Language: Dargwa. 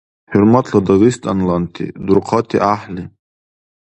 ХӀурматла дагъистанланти! Дурхъати гӀяхӀли!